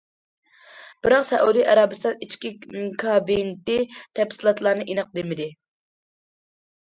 بىراق سەئۇدى ئەرەبىستان ئىچكى كابېنتى تەپسىلاتلارنى ئېنىق دېمىدى.